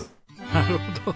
なるほど。